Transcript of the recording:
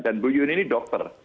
dan bu yuni ini dokter